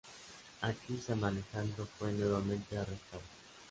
Aquí San Alejandro fue nuevamente arrestado.